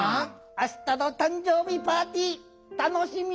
⁉あしたのたんじょうびパーティーたのしみじゃな！